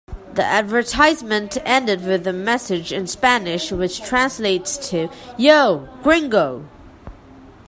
The advertisement ended with a message in Spanish which translates to Yo, gringo!